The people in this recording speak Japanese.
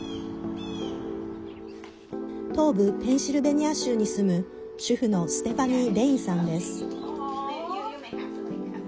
東部ペンシルベニア州に住む主婦のステファニー・レインさんです。